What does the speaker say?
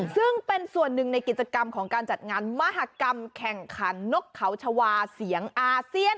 ซึ่งเป็นส่วนหนึ่งในกิจกรรมของการจัดงานมหากรรมแข่งขันนกเขาชาวาเสียงอาเซียน